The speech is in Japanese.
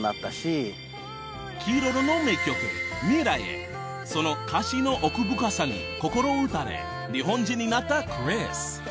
Ｋｉｒｏｒｏの名曲『未来へ』その歌詞の奥深さに心を打たれ日本人になったクリス